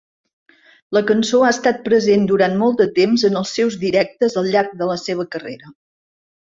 La cançó ha estat present durant molt de temps en els seus directes al llarg de la seva carrera.